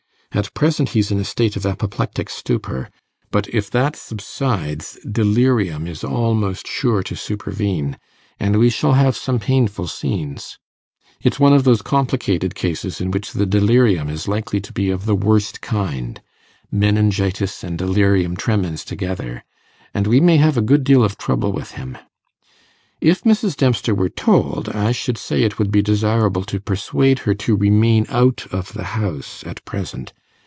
At present he's in a state of apoplectic stupor; but if that subsides, delirium is almost sure to supervene, and we shall have some painful scenes. It's one of those complicated cases in which the delirium is likely to be of the worst kind meningitis and delirium tremens together and we may have a good deal of trouble with him. If Mrs. Dempster were told, I should say it would be desirable to persuade her to remain out of the house at present.